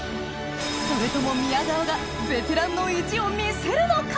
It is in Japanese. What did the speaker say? それとも宮川がベテランの意地を見せるのか？